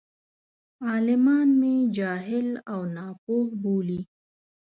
عالمان مې جاهل او ناپوه بولي.